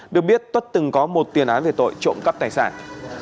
được biết tất từng có một tiền án về tội trộm cắp tài sản